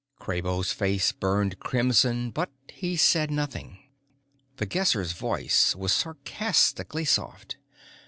Kraybo's face burned crimson, but he said nothing. The Guesser's voice was sarcastically soft.